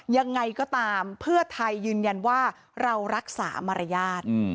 ยังไงก็ตามเพื่อไทยยืนยันว่าเรารักษามารยาท